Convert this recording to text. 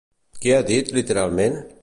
Què ha dit, literalment?